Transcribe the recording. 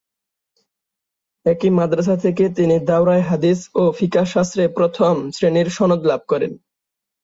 একই মাদ্রাসা থেকে তিনি দাওরায়ে হাদিস ও ফিকহ শাস্ত্রে প্রথম শ্রেণীর সনদ লাভ করেন।